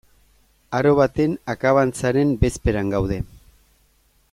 Aro baten akabantzaren bezperan gaude.